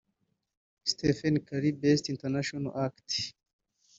Stephen Curry Best International Act